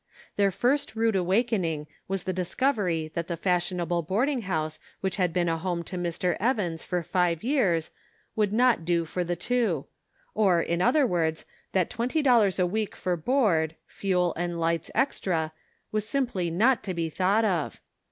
Their first rude awakening was the discovery that the fashionable boarding house which had been a home to Mr. Evans for five years would not do for the two ; or, in other words, that twenty dollars a week for ' board, fuel and lights extra, was simply not to be thought of.